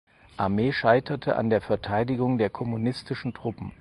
Armee scheiterte an der Verteidigung der kommunistischen Truppen.